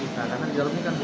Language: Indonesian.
tidak ada di kamar kamar itu